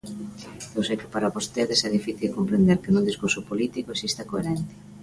Eu sei que para vostedes é difícil comprender que nun discurso político exista coherencia.